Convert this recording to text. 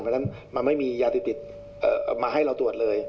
เพราะฉะนั้นมันไม่มียาติดมาให้เราตรวจเลย